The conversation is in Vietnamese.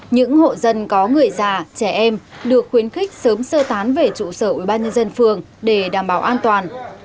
những hộ dân có người già trẻ em được khuyến khích sớm sơ tán về trụ sở ubnd phường để đảm bảo an toàn